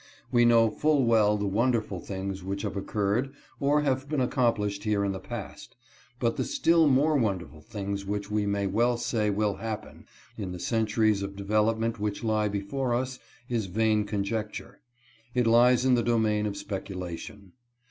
We know full well the wonderful things which have occurred or have been accomplished here in the past, but the still more wonderful things which we may well say will happen in the centuries of development which lie be fore us, is vain conjecture ; it lies in the domain of speculation.